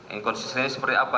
inkonsistensi seperti apa